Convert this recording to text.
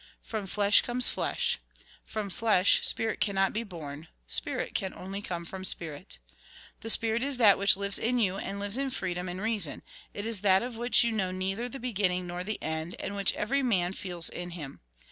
From flesh comes flesh. From flesh, spirit cannot be born ; spirit can come only from spirit. The spirit is that which lives in you, and lives in freedom and reason ; it is that of which you know neither the beginning nor the end, and which every man feels in him.